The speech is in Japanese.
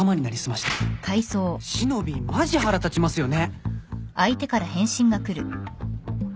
「しのびぃマジ腹立ちますよね」